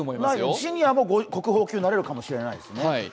シニアも国宝級になれるかもしれないですよね。